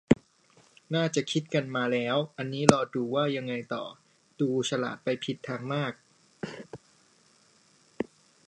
น่าจะคิดกันมาแล้ว อันนี้รอดูว่ายังไงต่อ ดูฉลาดไปผิดทางมาก